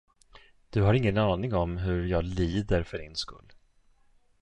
Du har ingen aning om, hur jag lider för din skull.